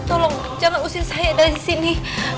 cintra tolong jangan usin saya dari sini